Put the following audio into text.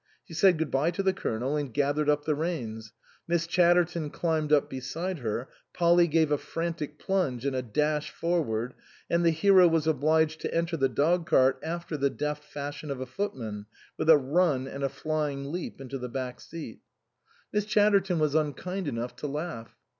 She said good bye to the Colonel, and gathered up the reins; Miss Chatterton climbed up beside her ; Polly gave a frantic plunge and a dash forward ; and the hero was obliged to enter the dog cart after the deft fashion of a footman, with a run and a flying leap into the back seat. 121 THE COSMOPOLITAN Miss Chatterton was unkind enough to laugh.